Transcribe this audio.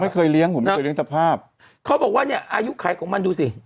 เคยเลี้ยงผมไม่เคยเลี้ยตะภาพเขาบอกว่าเนี่ยอายุไขของมันดูสิ